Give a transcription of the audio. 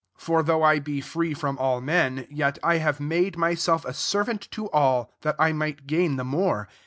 . 19 For though I be free from all m^n, yet I have made my self a servant to all, that I might gain the more.